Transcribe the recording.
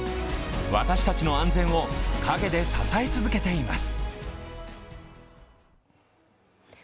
私たちの安全を陰で支え続けています。